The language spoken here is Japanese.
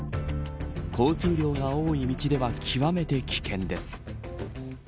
交通量が多い道では極めて危険です。